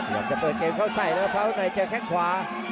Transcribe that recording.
อยากจะเปิดเกมเข้าใส่นะครับแล้วภาพแม่เห็นแค่งขวา